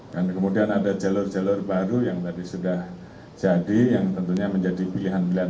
dan kemudian ada jalur jalur baru yang tadi sudah jadi yang tentunya menjadi pilihan pilihan